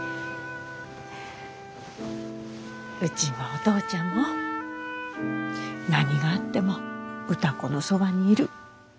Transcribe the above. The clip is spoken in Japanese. うちもお父ちゃんも何があっても歌子のそばにいる。